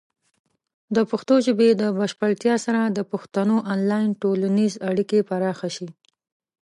د پښتو ژبې د بشپړتیا سره، د پښتنو آنلاین ټولنیزې اړیکې پراخه شي.